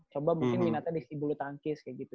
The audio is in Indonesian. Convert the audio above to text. coba mungkin minatnya di sisi bulu tangkis kayak gitu